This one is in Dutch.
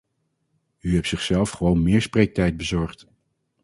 U hebt zichzelf gewoon meer spreektijd bezorgt.